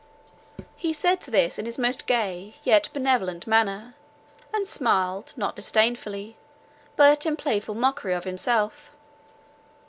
He said this in his most gay, yet benevolent manner, and smiled, not disdainfully, but in playful mockery of himself.